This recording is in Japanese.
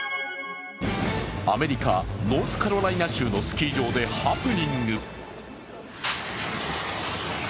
アメリカ・ノースカロライナ州のスキー場でハプニング。